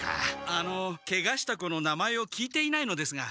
あのケガした子の名前を聞いていないのですが。